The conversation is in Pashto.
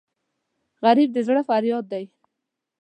غریب د زړه فریاد دی